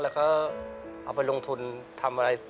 แล้วเขาเอาไปลงทุนทำอะไร